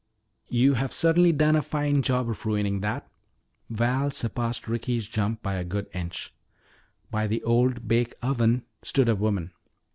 "You certainly have done a fine job of ruining that!" Val surpassed Ricky's jump by a good inch. By the old bake oven stood a woman.